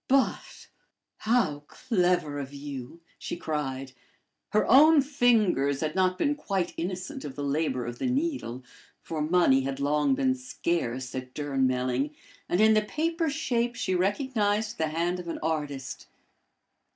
"But how clever of you!" she cried. Her own fingers had not been quite innocent of the labor of the needle, for money had long been scarce at Durnmelling, and in the paper shape she recognized the hand of an artist.